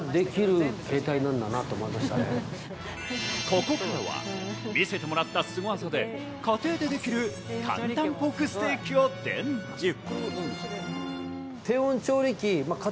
ここからは、見せてもらったスゴ技で家庭でできる簡単ポークステーキを伝授。